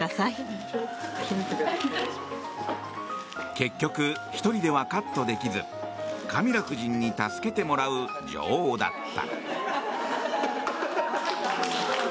結局、１人ではカットできずカミラ夫人に助けてもらう女王だった。